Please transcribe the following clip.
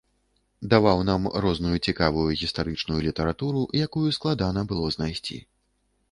Даваў нам розную цікавую гістарычную літаратуру, якую было складана знайсці.